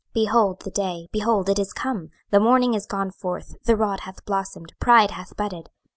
26:007:010 Behold the day, behold, it is come: the morning is gone forth; the rod hath blossomed, pride hath budded.